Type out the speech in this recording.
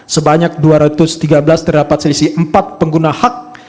sebanyak dua ratus tiga belas terdapat selisih empat pengguna hak